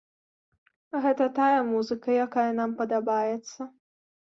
Гэта тая музыка, якая нам падабаецца.